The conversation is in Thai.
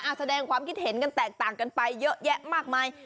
แสดงความคิดเห็นกันแตกต่างกันไปเยอะแยะมากมาย